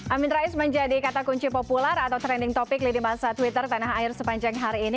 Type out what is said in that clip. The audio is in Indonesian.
amin rais menjadi kata kunci populer atau trending topic lini masa twitter tanah air sepanjang hari ini